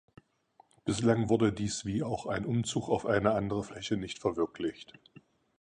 Bislang wurde dies wie auch ein Umzug auf eine andere Fläche nicht verwirklicht.